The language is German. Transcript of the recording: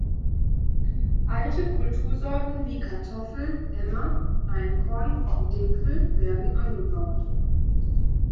Alte Kultursorten wie Kartoffel, Emmer, Einkorn und Dinkel werden angebaut.